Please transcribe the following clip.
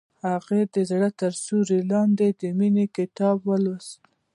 هغې د زړه تر سیوري لاندې د مینې کتاب ولوست.